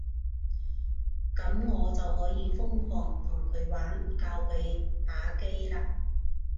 噉我就可以瘋狂同佢玩，教佢打機喇